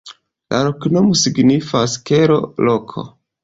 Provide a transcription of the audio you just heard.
La loknomo signifas: kelo-loko.